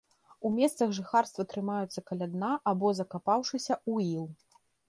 У месцах жыхарства трымаюцца каля дна або закапаўшыся ў іл.